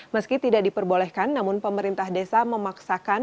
meski tidak diperbolehkan namun pemerintah desa memaksakan